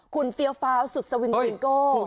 คุณเฟียร์ฟาวสุดสวิงกลิ้งโก้